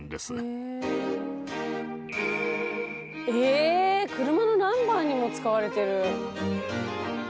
え車のナンバーにも使われてる。